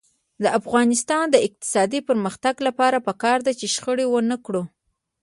د افغانستان د اقتصادي پرمختګ لپاره پکار ده چې شخړه ونکړو.